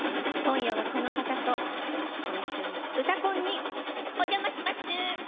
今夜はこの方とご一緒に「うたコン」にお邪魔しますぅ！